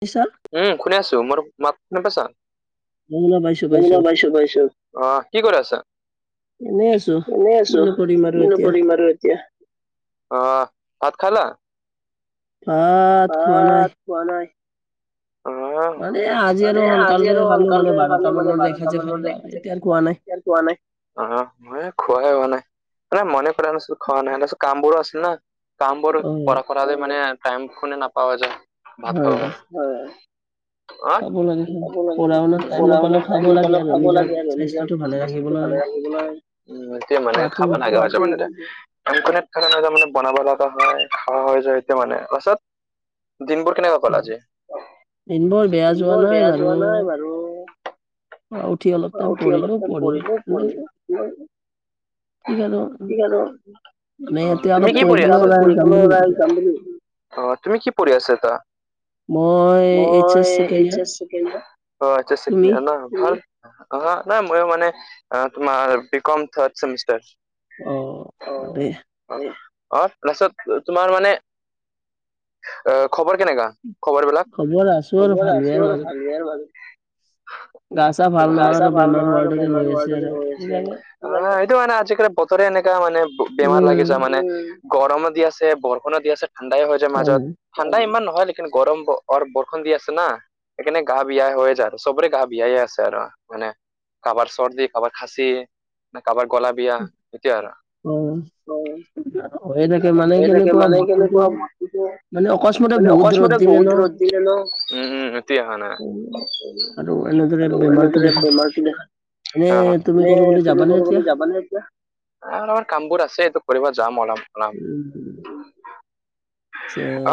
দিছা? উম, শুনে আছো মোৰ মাত শুনে পাইছা? [unintelligible] বাইছো। [unintelligible] বাইছোঁ -বাইছোঁ অ, কি কৰি আছা? এনেই আছোঁ কিনো কৰিম আৰু। তিয়া অ, ভাত খালা? ভাত খোৱা নাই। খোৱা নাই। অ, মানে এ আজি আৰু সোনকালতে খালো মানে বাৰটা মান [unintelligible] খোৱা নাই অ, মই খোৱাই হোৱা নাই। মানে মনে পেলাই লৈছিলোঁ খোৱা নাই না কামবোৰ আছিল না। কাম বোৰ কৰা- কৰালে মানে টাইম শুনি নাপাও যে ভাত খাব কাৰণে [inaudible] অহ, খাব লাগে পঢ়া শুনাত টাইম নাপালেও খাব লাগে আৰু নিজৰ স্বাস্থটো ভালে ৰাখিবলৈ। উম তেয়া মানে খাবা নাগোন। [unintelligible] [unintelligible] ন তাৰ মানে বনাব লগা হয় [unintelligible] হয় যয়া মানে তাছত। দিনবোৰ কেনে গ'ল আজি। দিন বোৰ বেয়া যোৱা নাই বাৰু। অ, উঠি অলপমান পঢ়িলে পঢ়ি কেনে কি আৰু অ, তুমি কি পঢ়ি আছা [unintelligible] ওলাই যাম। [unintelligible] অ, তুমি কি পঢ়ি আছা এতা? মই মই এইচ এছ চেকেণ্ড‌ ইয়েৰ। অ এইচ এছ ছেকেণ্ড ইয়েৰ ন। অহ নাই মই মানে তোমাৰ বি কম থাৰ্ড চেমিষ্টাৰ। অ। এহ অ পাছত, তোমাৰ মানে অ খবৰ কেনেকা? খবৰ বিলাক? খবৰ আছো আৰু ভাল বেয়াৰ মাজতে। গা চা ভাল নহয় আৰু বেমাৰ হোৱাৰ দৰে হৈ আছে অলপ। অ সেইটো মানে আজিকালি বতৰে এনেকা মানে বেমাৰ লাগি যায় মানে। গৰমো দি আছে, বৰষুণো দি আছে, ঠাণ্ডাই হৈ যায় মাজত। ঠাণ্ডা ইমান নহয় লে কিন গৰম অৰ বৰষণ দি আছে না। সেইকাৰনে গা বিয়া হৈ যায় আৰু চবৰে গা বিয়াই আছে আৰু মানে। কাবাৰ চৰ্দি, কাবাৰ খাচি, ন কাবাৰ গলা বিয়া সেটোই আৰ। অ। হৈয়ে থাকে মানে কেনেকুৱা বতৰটো, মানে অকস্মাতে বহুত ৰদ বহুত ৰদ দিয়ে ন। উম উম এতিয়া হোৱা নাই। আৰু এনেদৰে বেমাৰ নে তুমি কৰবালৈ যাবা? এ অলপমান কাম বোৰ আছে এতিয়া কৰিব যাম অলপ।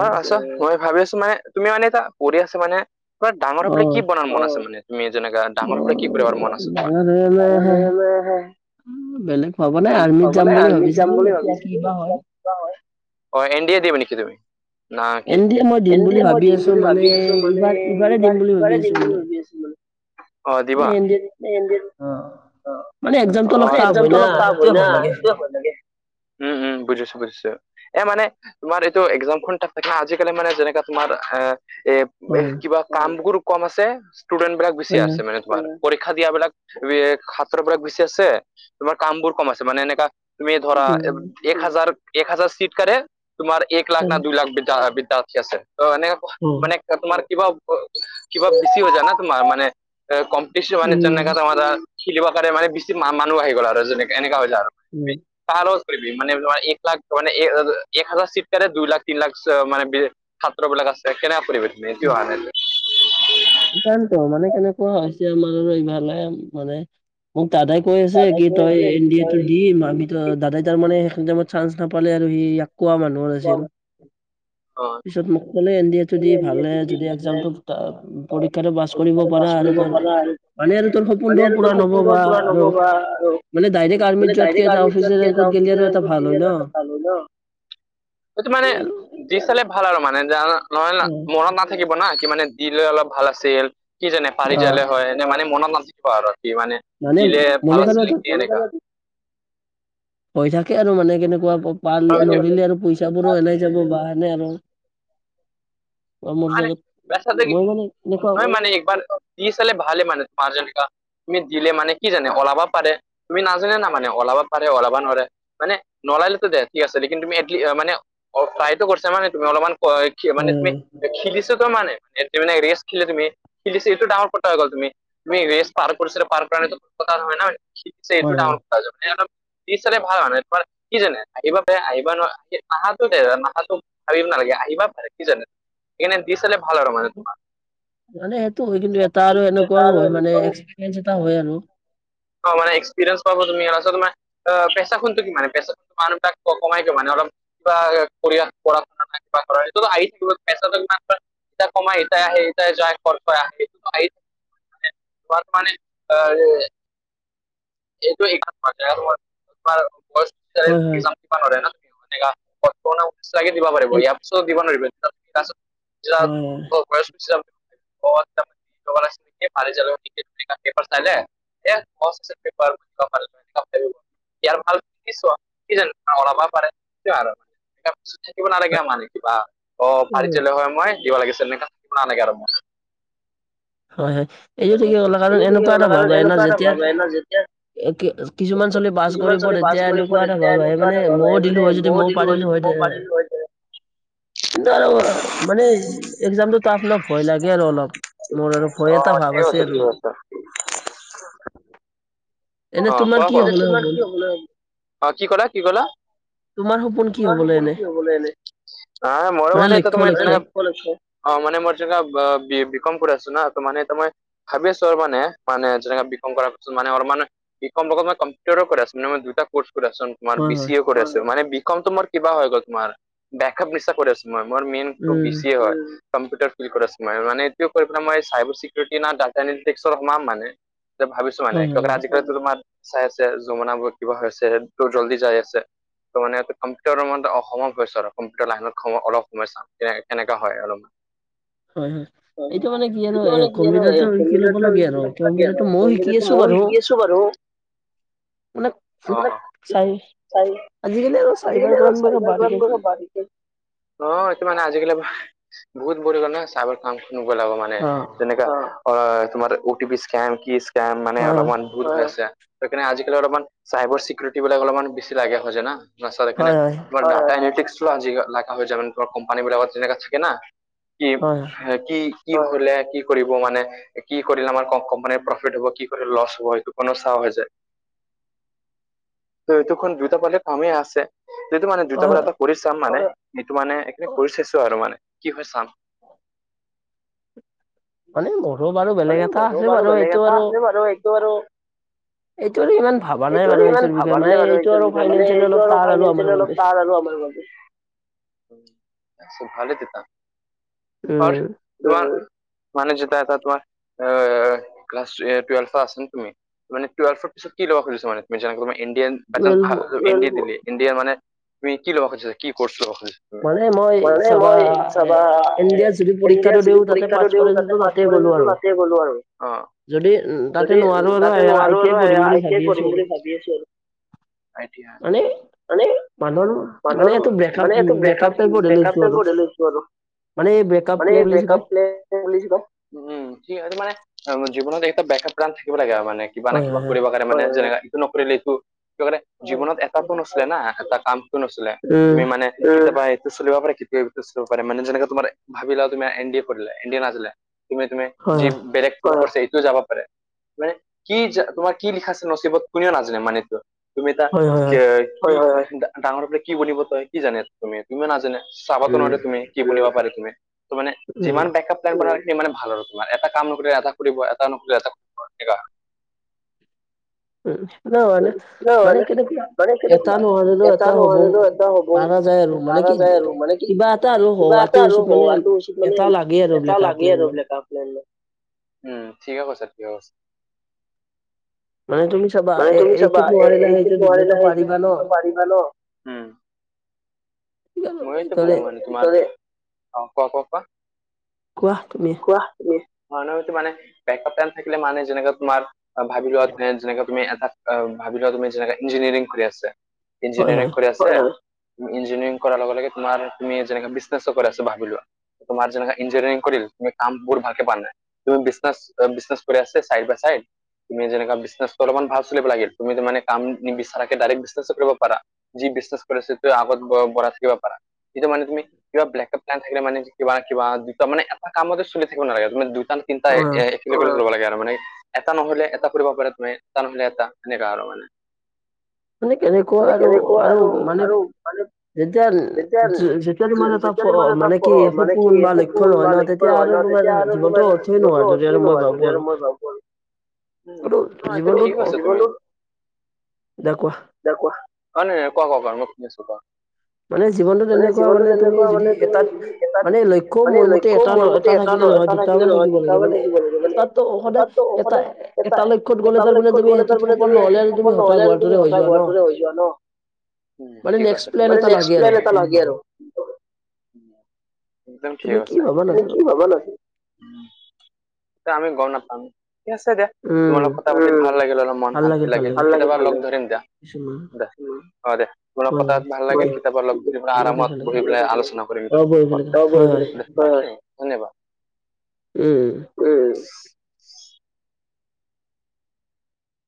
অ আছো, মই ভাবি আছো মানে, তুমি মানে এতিয়া পঢ়ি আছা মানে। তোমাৰ ডাঙৰ হৈ পেলে কি বনাৰ মন আছে মানে? তুমি যেনেকা ডাঙৰ হ'লে কি কৰিবাৰ মন আছে তোমাৰ? ডাঙৰ হ'লে বেলেগ ভাবা নাই, আৰ্মিত যাম বুলি ভাবিছিলো। কি বা হয়। অ এনডি এ দিবা নেকি তুমি না কি? এন ডি এ মই দিম বুলি ভাবি আছো মানে, এইবাৰ ইবাৰে দিম বুলি ভাবি আছো মানে। অ দিবা। অ অ মানে এক্জামটো অলপ টাফ হয় না, সেইটোৱে ভয় লাগে। উম উম বুজিছো বুজিছো এ মানে তোমাৰ এইটো এক্জামখন থাকে ন আজি মানে যেনেকা তোমাৰ এ এ কিবা কাম বোৰ কম আছে ষ্টুডেন্ট বিলাক বেছি আছে মানে। পৰীক্ষা দিয়াবিলাক খাত্ৰবিলাক বেচি আছে, তোমাৰ কাম বোৰ কম আছে মানে এনেকা তুমি ধৰা এক হাজাৰ এক হাজাৰ চিটকাৰে তোমাৰ এক লাখ না দুই লাখ টা আছে এনে উম। তোমাৰ কিবা কিবা বেছি হৈ যায় না তোমাৰ মানে এ কম কিছুমানে তেনেকা তোমাৰ খেলিব কাৰণে মানে বেছি মানুহ আহি গ'ল আৰু যেনেকা এনেকা‌ হৈ যায় আৰু। উম। তাহ কৰিবি মানে এক লাখ মান এক হাজাৰ চিট কাৰণে দুই লাখ তিন লাখ মানে ছাত্ৰ বিলাক আছে কেনেকা পৰিৱেশ তমি এইটো অহ নাই সেই কাৰণেতো মানে কেনেকুৱা হৈছে আমাৰ আৰু ইফালে মানে মোক দাদাই কৈ আছে কি তই এন ডি এটো দি মামী দাদাই তাৰ মানে সেইখিনি টাইমত চান্স নাপালে আৰু সি ইয়াক কোৱা মানুহো নাছিল। হয়। পিছত মোক ক'লে এন ডি এট জদি ভালে যদি এক্সামটো পৰীক্ষাটো পাছ কৰিব পাৰা আৰু ধৰ মানে আৰু তোৰ সপোনটো পুৰাণ হব বা আৰু মানে ডাইৰেক্ট আৰ্মিত যোৱাতকে এটা অফিছাৰ ৰেংকত গলে আৰু এটা ভাল হয় ন। এইটো মানে দি চালে ভাল আৰু মানে জ নহয় মনত নাথাকিব না কিমানে দিলে অলপ ভাল আছিল। কি জানে পাৰি যালে হয় এ মানে মনত নাথাকিব আৰু কি মানে দিলে ভাল আছিল নেকি এনেকা হৈ থাকে আৰু মানে কেনেকুৱা পাল নোৱাৰিলে আৰু পইচা কঠাবোৰো এনেই যাব বা এনে আৰু। [unintelligible] মানে একবাৰ দিছ হলে ভালে মানে [unintelligible] তুমি দিলে মানে কি জানে অলাবা পাৰে তুমি নাজানে না মানে অলাবা পাৰে অলাবা নোৱাৰে। মানে নলালেতো দে ঠিক আছে লেকিন তুমি এটলিচ মানে ট্ৰাই টো কৰছে মানে তুমি অলপমান মানে তুমি খেলিছে তো মানে [unintelligible] ৰেচ খিলে তুমি খেলিছে এইটো ডাঙৰ কথা হৈ গ'ল তুমি তুমি ৰেচ পাৰ কৰিচা পাৰ কৰা নাই সেইটো কথা নহয় না এইটো ডাঙৰ কথা [unintelligible] দি চালে ভাল [unintelligible] কি জানে এইবাৰ কই আহিবা পাৰে আহা টো [unintelligible] নাহাটো ভাবিব নালাগে আহিবা পাৰে কি জানে। এনে দি চালে ভাল আৰু। মানে সেইটো হয় কিন্তু এটা আৰু এনেকুৱাওঁ হয় মানে এক্সপেৰিয়েঞ্চ এটা হয় আৰু। অ' মানে এক্সপিৰিয়েঞ্চ পাব তুমি তাৰ পাছত তোমাৰ অ' [unintelligible] টো কিমান [unintelligible] মানুহবিলাক কমাই গৈ মানে অলপ কিবা [unintelligible] পঢ়া শুনা নাই কিবা কৰা [unintelligible] ইতাই [unintelligible] ইতাই আহে ইতাই যায় [unintelligible] বৰ্তমান। [unintelligible] এইটো এক [unintelligible] দিবা নৰে না এনেকা [unintelligible] দিবা পাৰিব ইয়াৰ পিছত দিব নোৱাৰিব। তাৰপিছত যোৱা [unintelligible] গোছি যাম। [unintelligible] [unintelligible] ইয়াৰ ভাল কিনি চোৱা কিজানি অলাবা পাৰে [unintelligible] থাকিব নালাগে আমাৰ ইি কিবা অ, [unintelligible] হয় মই দিব লাগিছিল এনেকা থাকিব নালাগে আৰু। হয়-হয় এইটো ঠিকে ক'লে কাৰণ এনেকুৱা এটা ভাৱ আহে ন যেতিয়া কিছুমান ছোৱালী পাছ কৰিব তেতিয়া এনেকুৱা এটা ভাব আহে মানে ময়ও দিলো হয় যদি ময়ও পাৰিলো হয় হয় তে। কিন্তু আৰু মানে এক্সামটো টাফ ন ভয় লাগে আৰু অলপ। মোৰ আৰু ভয় এটা ভাব আছে আৰু। অ' কোৱা-কোৱা অ' কি কলা কি কলা? তোমাৰ সপোন কি [unintelligible] এনে হা মইও মানে এতিয়া তোমাৰ তেনেকা অ' মানে ময় [unintelligible] বি কম কৰি আছো ন তো মানে এতিয়া মই ভাবি আছো আৰু মানে-মানে যেনেকা বি কম কৰা পাছত মানে অলপ মান বি কম লগত মই কম্পিউটাৰো কৰাই আছো মানে মই দুটা কৰ্চ কৰি আছো তোমাৰ বিসিএ কৰি আছো মানে বিকমতো মোৰ কিবা হৈ গ'ল তোমাৰ বেকআপ [unintelligible] কৰি আছো। মৰ মেইন তো বিসিএ হয়। কম্পিউটাৰ ফিল কৰাইছে মানে এইটো কৰি পেলাই মই চাইবাৰ চিকিউৰিটি ন ডাটা [unintelligible] সোমাম মানে। তাকে ভাবিছো মানে [unintelligible] [unintelligible] তোমাৰ চাই আছে যমুনা বোৰ কিবা হৈছে। তোৰ জল্দি যাই আছে। ত মানে কম্পিউটাৰৰ [unintelligible] কম্পিউটাৰ লাইনত সময় অলপ সময় চাম। কেনে কেনেকা হয় অলপমান। হয়, হয় এইটো মানে কি আৰু কম্পিউটাৰটো শিকি লব পাৰি আৰু কম্পিউটাৰটো ময়ও শিকি আছো। চ বাৰু অ', অ' [unintelligible] আজিকালি আৰু [unintelligible] অ এটো মানে আজিকালি ভা বহুত বৰি গল ন চাবৰ কাম। নবনাব মানে, যেনেকা অ তোমাৰ অ টি পি স্কেম কি স্কেম মানে অলপমান কোন হৈ আছে সেইকাৰণে আজিকালি অলপমান চাইবাৰ চিকিউৰিটিবিলাক অলপমান বেছি ভাগে খজে ন? বা ছাৰকিনে, তোমাৰ জেনেটিক্সটো আজিকালি [inaudible] কোম্পানীবিলাকত যেনেকা থাকে না কি কি কি কৰিলে কি কৰিব মানে কি কৰিলে আমাৰ কোম্পানীৰ প্ৰফিট হ'ব কি কৰিলে লছ হ'ব। খনো চাৱা হৈ যায়। ত এইটোখন দুইটা পালে কামেই আছে। [unintelligible] মানে দুটাৰ পা এটা কৰি চাম মানে সেটো মানে এইখিনি কৰি চাইছো আৰু মানে কি হয় চাম। মানে মোৰো বাৰু বেলেগ এটা আছে বাৰু সেইটো বাৰু এইটো ইমান ভাবা নাই বাৰু এইটোৰ বিষয়ে মানে এইটো আৰু ফাইনেয়েলি অলপ ত আৰু আমাৰ ম। নি [unintelligible] আচ্ছা ভালে দেউতাৰ? হয় তোমাৰ? মানে যেতিয়া এটা তোমাৰ আ ক্লাছ এ টোৱেলভ পাছ নে তুমি মানে টুৱেলভৰ পিছত কি লব খুজিছ মানে ত যেনেকে তাৰ ইণ্ডিয়ান বাইচান ভাল ইণ্ডিয়েন ইণ্ডিয়া মানে তুমি কি ল'ব খোজিচা কি কজ লৱ খোজিছা? মানে মই চাবা N B A C B পৰীক্ষাটো দিও তাতে পাছ কৰিলো না তে গ'লো আৰু অ। যদি উম তাতে নোৱাৰো আৰু আই আই টি আই পঢ়িম বুলি ভাবি আছো আৰু। এতিয়া মানে মাধন মানে টো বেকআপ বেকআপে গ লৈছো আৰু মানে এই বেকআপ [inaudible] বুলিছিলো উম যিহেতু মানে জীৱনত এটা বেকআপ থাকিব লাগে আৰু মানে। কিবা না কিবা কৰিব কাৰণে মানে যেনেকা ইটো নকৰিলে এইটো কিবা কাৰে জীৱনত এটাতো নাছিলে না এটা কাম শুন আছিলে তুমি মানে উম কেতিয়াবাই চলিব পাৰে কেতিয়া চলিব পাৰে মানে যে তোমাৰ ভাবিলা তুমি এন ডী কৰিলে এন নেম তুমি যি বেলেগ ছে এইটোও যাব পাৰে মানে কি তোমাৰ কি লিখাছে নচিবত কোনেও নাজানে মানেটো। তুমি এটা কি হয় ডাঙৰৰ পৰাে কি বনিব তই কি জানি তুমি তুমি নাজানে চাবাতো নোৱাৰা তুমি কৰিব পাৰে তুমি ত মানে যিমান বেককাপ টাইম কৰা খিনি মানে ভাল ৰ তোমাৰ এটা কাম নকৰিলে এটা কৰিব এটা নকৰিলে এটা কৰিব সেনেকুৱা। [inaudible] উম, সেইটো মানে মানে কেনেকে এটা নোৱাৰিলো এটা হ'ব মাৰা যায় আৰু মানে কি কিবা এটা আৰু হোৱাটো উচিত মানে এটাও লাগে আৰু ব্লেক আপ প্লেন মানে। মানে, উম ঠিকে কৈছো ঠিকে কৈছে। মানে তুমি চাবা এইটোত নোৱাৰিলে সেইটোত পাৰিবা ন উম। মইতো ভাবোঁ মানে তোমাৰ অ কোৱা কোৱা কোৱা? কোৱা তুমি? কোৱা তুমি? মানে বেকআপ প্লেন থাকিলে মানে যেনেকা তোমাৰ ভাবি লোৱা যেনে তুমি এটা ভাবি লোৱা তুমি যেনে ইঞ্জিনিয়াৰিং কৰি আছা ইঞ্জিনিয়াৰিং কৰি আছে, ইঞ্জিনিয়াৰিং কৰাৰ লগে লগে তোমাৰ তুমি যেনেকে বিজনেছো কৰি আছো ভাবি লোৱা তোমাৰ যেনেকা ইঞ্জিনিয়াৰিং কৰিল তুমি কামবোৰ ভালকে পোৱা নাই। তুমি বিজনেছ বিজনেছ কৰি আছে চাইড বাই চাইড তুমি যেনেকা বিজনেছ অলমান ভাল চলিব লাগে তুমি তাৰমানে কাম নিবিচৰাকে ডাইৰেক্ট বিজনেছো কৰিব পাৰা। যি বিজনেছ কৰিছিল আগত বৰাজ কৰিব পাৰা কিন্তু মানে তুমি কিবা ব্লেক আপ প্লেন থাকিলে মানে কিবা কিবা দুটা মানে এটা কামতে চলি থাকিব নালাগে মানে দুটা চিন্তা এয়াই কিন্তু ধৰি লব লাগে আৰু মানে এটা নহলে এটা কৰিব পাৰে তুমি এটা নহলে এটা এনেকা আৰু মানে। তুমি কেনেকুৱা আৰু আৰু মানে যেতিয়া যেতিয়া মানে তাত মানে কি সপোন বা হয় ন তেতিয়া আৰু তোমাৰ [unintelligible] গতেই ন হয় ত মই ওহ হয় তুমি ঠিকেই কৈছা বাৰু। দে কোৱা, দে কোৱা, হয়নে কোৱা কোৱা বাৰু মই শুনি আছোঁ কোৱা। মানে জীৱনটো তেনেকুৱা মানে তুমি যি এটাত মানে লক্ষ্যও মোৰ মতে এটা ন এটা থাকিলে নহয় দুটা মান থাকিব লাগে মানে তাতো সদায় এটা এটা লক্ষ্যত গ'লে তাৰ মানে তুমি সেইটো সফল নহ'লে আৰু তুমি সদায় হোৱাটোৰে হৈ যোৱা ন উম ঠিকে কৈছা ঠিকে কৈছা, মানে নেক্স প্লেন এটা লাগে আৰু একদম ঠিক আছে কি ভবা নাই। আমি গম নাপাম ঠিকে আছে দিয়া। তোমাৰ লগত কথা পাতি ভাল লাগিল অলপ মন শান্তি লাগিল, কেতিয়াবা লগ ধৰিম যাম। দে অ' দে মোৰ লগত কথাপাতি ভাল লাগে, লগ কৰি পেলাই আৰামত বহি পেলাই আলোচনা কৰিম হয় নাই বাও, উম,